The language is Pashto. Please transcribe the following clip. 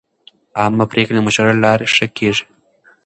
عامه پریکړې د مشورې له لارې ښه کېږي.